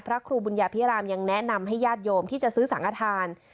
พระครูบุญญาพิรามยังแนะนำให้ญาติโยมที่จะซื้อสังฆฐาน